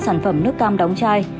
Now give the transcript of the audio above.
sản phẩm nước cam đóng chai